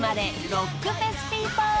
ロックフェスピーポー］